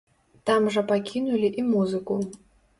Там жа пакінулі і музыку.